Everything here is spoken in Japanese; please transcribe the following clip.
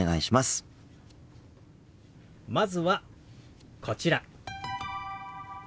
まずはこちら。